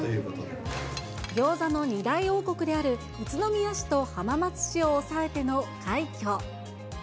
ギョーザの２大王国である、宇都宮市と浜松市を抑えての快挙。